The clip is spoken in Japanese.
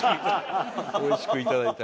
おいしくいただいた。